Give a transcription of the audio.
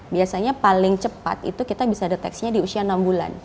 biasanya paling cepat itu kita bisa deteksinya di usia enam bulan